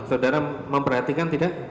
saudara memperhatikan tidak